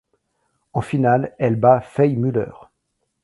En finale, elle bat Fay Muller.